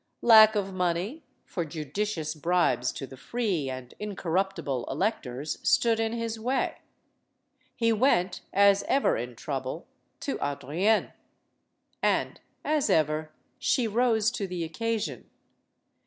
Lack of money, for judicious bribes to the free and incorruptible elec tors, stood in his way. He went, as ever in trouble, to Adrienne. And, as ever, she rose to the occasion.